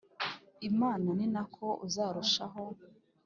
Imana ni na ko uzarushaho